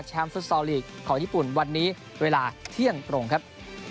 ฟุตซอลลีกของญี่ปุ่นวันนี้เวลาเที่ยงตรงครับ